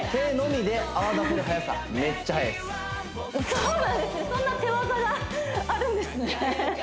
そんな手技があるんですね